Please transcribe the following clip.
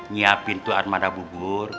nyiapin tuh armada bubur